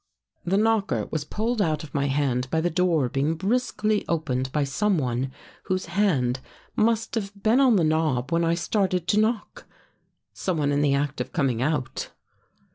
The knocker was pulled out of my hand by the door being briskly opened by someone whose hand must have been on the knob when I started to knock — someone in the act of coming out.